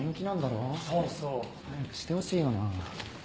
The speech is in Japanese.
そうそう。早くしてほしいよな。